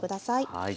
はい。